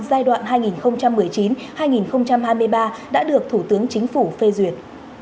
giai đoạn hai nghìn một mươi chín hai nghìn hai mươi ba đã được thủ tướng chính phủ phê duyệt